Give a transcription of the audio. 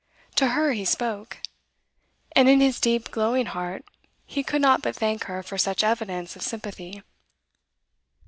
To her he spoke. And in his deep glowing heart he could not but thank her for such evidence of sympathy.